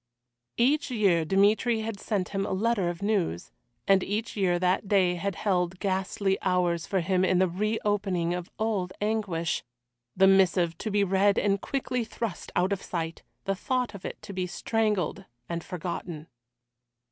Each year Dmitry had sent him a letter of news, and each year that day had held ghastly hours for him in the reopening of old anguish the missive to be read and quickly thrust out of sight, the thought of it to be strangled and forgotten.